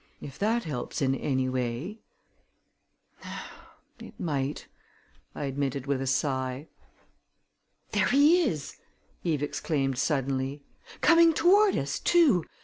If that helps in any way " "It might," I admitted with a sigh. "There he is!" Eve exclaimed suddenly. "Coming toward us, too!